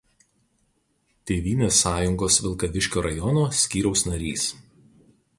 Tėvynės sąjungos Vilkaviškio rajono skyriaus narys.